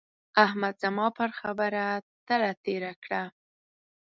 احمد زما پر خبره تله تېره کړه.